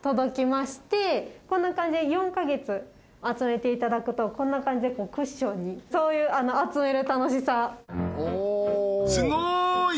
こんな感じで４か月集めていただくとこんな感じでクッションにそういうすごい！